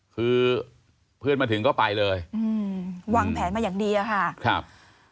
คือเพื่อนมาถึงก็ไปเลยอืมวางแผนมาอย่างดีอะค่ะครับ